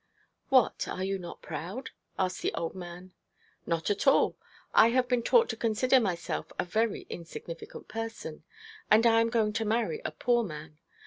'What, are you not proud?' asked the old man. 'Not at all. I have been taught to consider myself a very insignificant person; and I am going to marry a poor man.